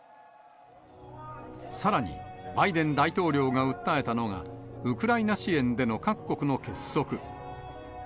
さらに、バイデン大統領が訴えたのがウクライナ支援での各国の結束。